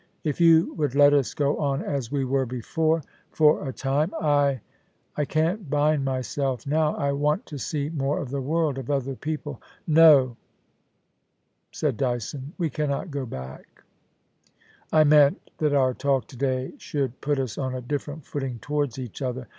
If you would let us go on as we were before, for a THE ENCHANTRESS OF KOORALBYN. 89 time — I — I can't bind myself now — I want to see more of the world — of other people.' * No,' said Dyson, * we cannot go back. I meant that our talk to day should put us on a different footing towards each other.